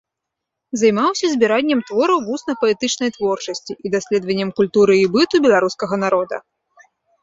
Займаўся збіраннем твораў вусна-паэтычнай творчасці і даследаваннем культуры і быту беларускага народа.